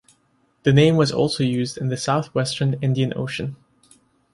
The name was also used in the southwestern Indian Ocean.